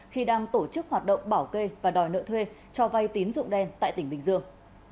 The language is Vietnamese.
khi đang tổ chức hoạt động bảo kê và đòi nợ thuê cho vay tín dụng đen tại tỉnh bình dương